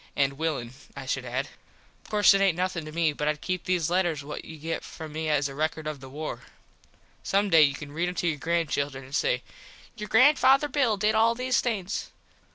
And willin, I should add. Of course it aint nothin to me but Id keep these letters what you get from me as a record of the war. Some day you can read em to your granchildren an say "Your Granfather Bill did all these things."